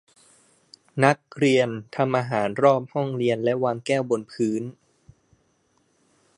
นักเรียนทำอาหารรอบห้องเรียนและวางแก้วบนพื้น